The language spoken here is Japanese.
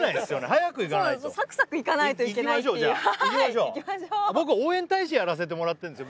早く行かないとそうなんですサクサク行かないといけないっていう行きましょう僕応援大使やらせてもらってるんです